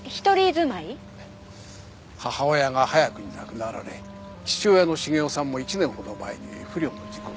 母親が早くに亡くなられ父親の重雄さんも１年ほど前に不慮の事故で。